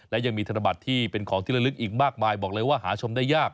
และยังมีธนบัตรที่เป็นของที่ละลึกอีกมากมายบอกเลยว่าหาชมได้ยาก